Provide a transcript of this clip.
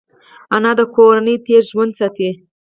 انا د کورنۍ تېر ژوند ساتي